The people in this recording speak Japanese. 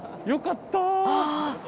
よかった。